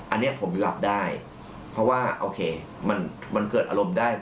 อันเนี่ยผมเริ่มเริ่มได้เพราะว่ามันมันเกิดอารมณ์ได้